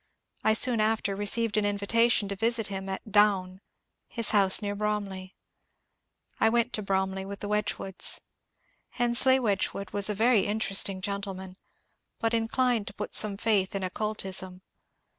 I soon after received an invitation to visit him at " Down," his house near Bromley. I went to Bromley with the Wedgwoods. Hensleigh Wedg wood was a very interesting gentleman, but inclined to put some faith in "occultism."